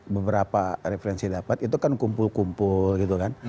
beberapa referensi dapat itu kan kumpul kumpul gitu kan